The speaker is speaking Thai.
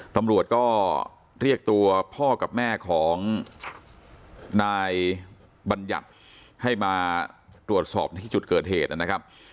ตำรวจก็เรียกตัวพ่อกับแม่ของนายบัญญัติให้มาตรวจสอบในที่จุดเกิดเหตุนะครับ